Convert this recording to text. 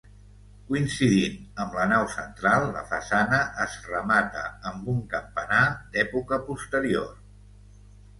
Coincidint amb la nau central, la façana es remata amb un campanar d'època posterior.